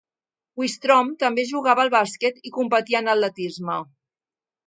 Wistrom també jugava al bàsquet i competia en atletisme.